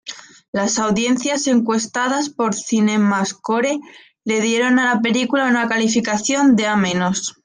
Las audiencias encuestadas por Cinemascore le dieron a la película una calificación de "A-".